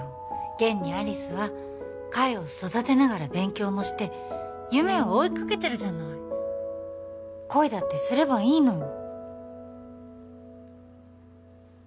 現に有栖は海を育てながら勉強もして夢を追いかけてるじゃない恋だってすればいいのよ